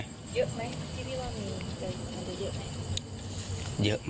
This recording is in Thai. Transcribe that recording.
เยอะไหมคิดว่ามีเจนขนาดนี้เยอะไหม